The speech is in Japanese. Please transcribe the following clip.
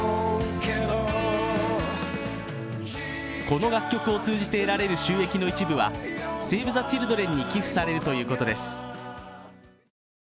この楽曲を通じて得られる収益の一部はセーブ・ザ・チルドレンに寄付されるということです。